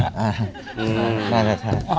อ่าน่าจะใช่